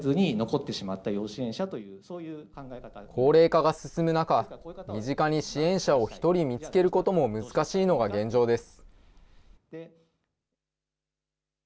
高齢化が進む中、身近に支援者を１人見つけることも難しいのが現状です。